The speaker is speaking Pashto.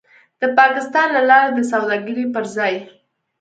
د پاکستان له لارې د سوداګرۍ پر ځای